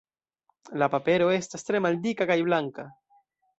La papero estas tre maldika kaj blanka.